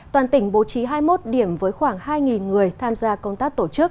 toàn tỉnh bố trí hai mươi một điểm với khoảng hai người tham gia công tác tổ chức